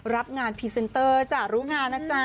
รับงานพรีเซนเตอร์จากรูปงานแล้วค่ะ